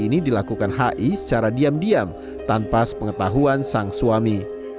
ini dilakukan hi secara diam diam tanpa sepengetahuan sang suami